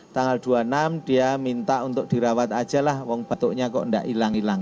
tanggal dua puluh enam dia minta untuk dirawat aja lah wong batuknya kok tidak hilang hilang